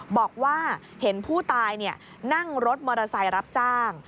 บอกว่าเห็นผู้ตายนั่งรถมอเตอร์ไซค์รับจ้าง